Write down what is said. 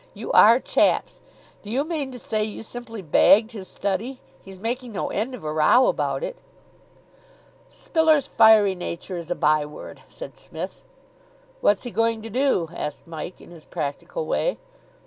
You are chaps! Do you mean to say you simply bagged his study? He's making no end of a row about it." "Spiller's fiery nature is a byword," said Psmith. "What's he going to do?" asked Mike, in his practical way.